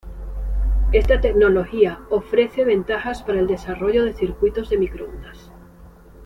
Esta tecnología ofrece muchas ventajas para el desarrollo de circuitos de microondas.